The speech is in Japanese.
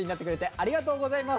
ありがとうございます。